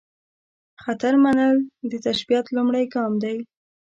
خطر منل، د تشبث لومړۍ ګام دی.